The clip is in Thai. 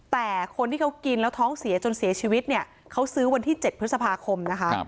แต่คนที่เขากินแล้วท้องเสียจนเสียชีวิตเนี่ยเขาซื้อวันที่๗พฤษภาคมนะคะ